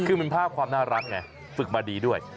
คือมันภาพความน่ารักไงฝึกมาดีด้วย